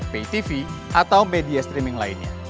ptv atau media streaming lainnya